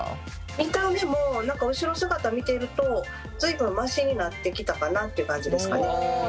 見た目も何か後ろ姿見てると随分マシになってきたかなっていう感じですかね。